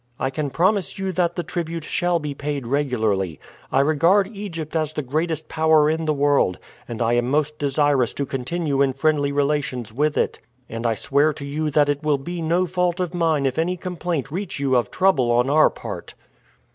I can promise you that the tribute shall be paid regularly. I regard Egypt as the greatest power in the world, and I am most desirous to continue in friendly relations with it, and I swear to you that it will be no fault of mine if any complaint reach you of trouble on our part."